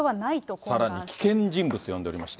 さらに危険人物と呼んでおりまして。